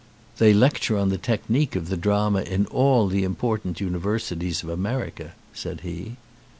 "They lecture on the technique of the drama in all the important universities of America," said he.